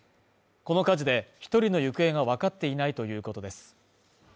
この火事で一人の行方が分かっていないということです